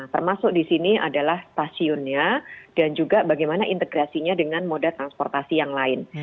termasuk di sini adalah stasiunnya dan juga bagaimana integrasinya dengan moda transportasi yang lain